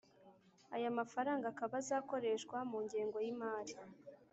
Aya mafaranga akaba azakoreshwa mu ngengo y imari